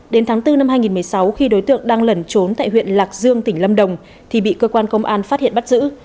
đến tháng bốn năm hai nghìn một mươi sáu khi đối tượng đang lẩn trốn tại huyện lạc dương tỉnh lâm đồng thì bị cơ quan công an phát hiện bắt giữ